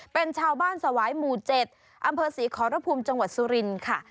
เป็นชาวบ้านสวายหมู่๗อำเภอศรีขอรภูมิจังหวัดสุรินค่ะ